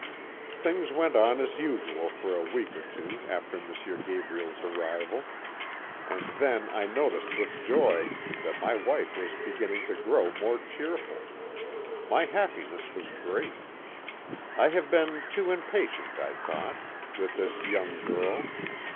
"Things went on as usual for a week or two after M. Gabriel's arrival, and then I noticed with joy that my wife was beginning to grow more cheerful. My happiness was great. I have been too impatient, I thought, with this young girl.